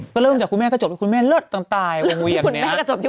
ก็เริ่มจากคุณแมงก็จบอย่างว่าคุณแม่เลิศตลังตายวงเวียนเนี้ย